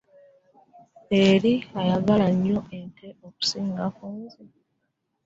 Yali ayagala nnyo ate okusinga ku nze.